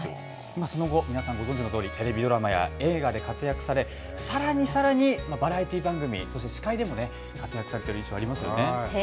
その後、皆さんご存じのとおり、テレビドラマや映画で活躍され、さらにさらにバラエティー番組、そして司会でも活躍されてる印象ありますよね。